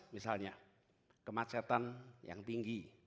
misalnya kemacetan yang tinggi